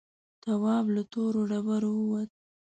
تواب له تورو ډبرو ووت.